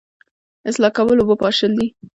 اصلاح کول اوبه پاشل دي